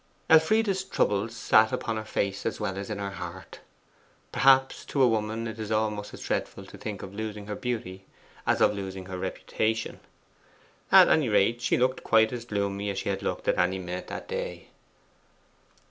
Elfride's troubles sat upon her face as well as in her heart. Perhaps to a woman it is almost as dreadful to think of losing her beauty as of losing her reputation. At any rate, she looked quite as gloomy as she had looked at any minute that day.